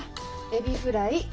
エビフライ。